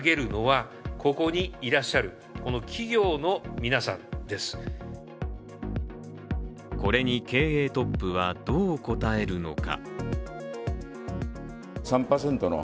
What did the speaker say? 岸田総理はこれに経営トップは、どう応えるのか。